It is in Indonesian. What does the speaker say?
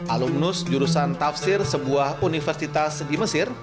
alumnus jurusan tafsir sebuah universitas di mesir